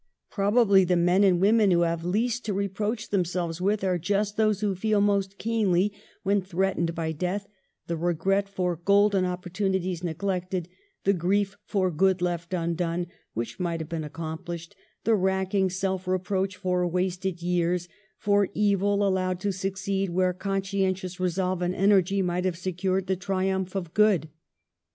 Probably the men and women who have least to reproach themselves with are just those who feel most keenly, when threatened by death, the regret for golden opportunities neg lected, the grief for good left undone which might have been accomphshed, the racking self reproach for wasted years, for evil allowed to succeed where conscientious resolve and energy might have secured the triumph of good.